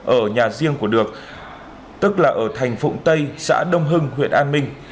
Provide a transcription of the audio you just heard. ở nhà riêng của được tức là ở thành phụng tây xã đông hưng huyện an minh